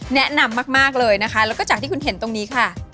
แนะนำมากเลยนะคะแล้วก็จากที่คุณเห็นตรงนี้ค่ะ